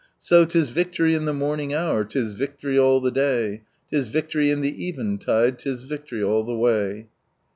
So— 'tis victory in the morning hour, 'tis victory nil the 'lay. 'Tis victory in the eventide, 'tis victory all the way